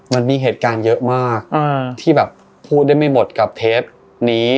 มันมีเหตุการณ์เยอะมากที่แบบพูดได้ไม่หมดกับเทปนี้